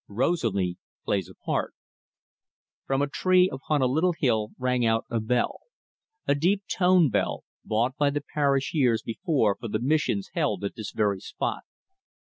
ROSALIE PLAYS A PART From a tree upon a little hill rang out a bell a deep toned bell, bought by the parish years before for the missions held at this very spot.